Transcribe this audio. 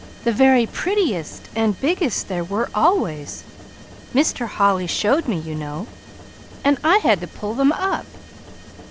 "The very prettiest and biggest there were, always. Mr. Holly showed me, you know, and I had to pull them up."